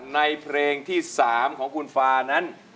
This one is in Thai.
ในเพลงที่๓ของคุณฟานั้น